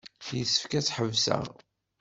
Yessefk ad tḥebseɣ.